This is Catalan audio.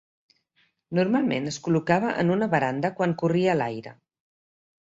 Normalment es col·locava en una veranda quan corria l'aire.